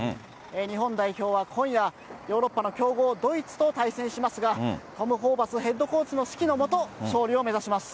日本代表は今夜、ヨーロッパの強豪、ドイツと対戦しますが、トム・ホーバスヘッドコーチの指揮の下、勝利を目指します。